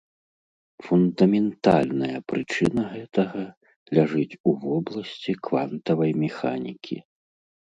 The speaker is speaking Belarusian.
Фундаментальная прычына гэтага ляжыць у вобласці квантавай механікі.